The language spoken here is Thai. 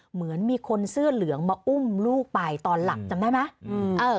เหมือนมีคนเสื้อเหลืองมาอุ้มลูกไปตอนหลับจำได้ไหม